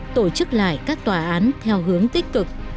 tổ chức lại các tòa án theo hướng tích cực